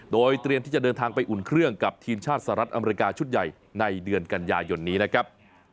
โดยเตรียมที่จะเดินทางไปอุ่นเครื่องกับทีมชาติสหรัฐอเมริกาชุดใหญ่ในเดือนกันยายนนี้นะครับ